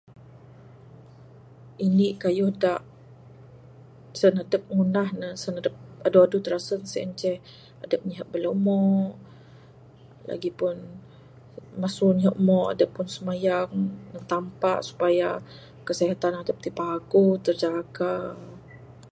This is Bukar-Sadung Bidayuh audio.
Indi'k kayuh da, sen adup ngundah ne, sien adup adu adu tirasun sien ceh, adup nyihup bala umo. Lagi pun, masu ngihup, umo, adup simayang ndug Tampa supaya kesihatan adup ti'k paguh, terjaga.